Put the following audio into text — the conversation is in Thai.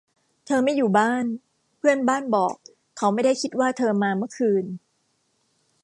เธอไม่อยู่บ้าน เพื่อนบ้านบอกเขาไม่ได้คิดว่าเธอมาเมื่อคืน